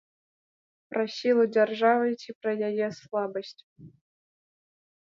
Пра сілу дзяржавы ці пра яе слабасць?